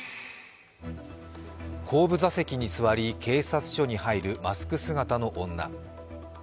後部座席に座り警察署に入るマスク姿の女。